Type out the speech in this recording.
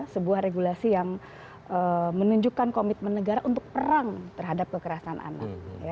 sebuah regulasi yang menunjukkan komitmen negara untuk perang terhadap kekerasan anak